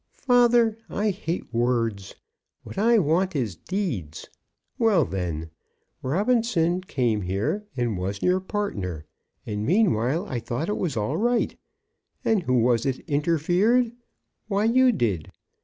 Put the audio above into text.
"Father, I hate words! What I want is deeds. Well, then; Robinson came here and was your partner, and meanwhile I thought it was all right. And who was it interfered? Why, you did.